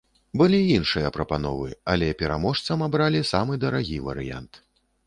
Былі іншыя прапановы, але пераможцам абралі самы дарагі варыянт.